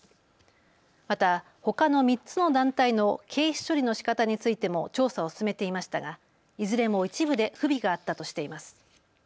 また、ほかの３つの団体の経費処理のしかたについても調査を進めていましたがいずれも一部で不備があったとしています。